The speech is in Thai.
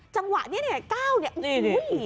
จังหวะที่เงียดแขวงนี้